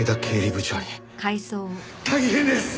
大変です！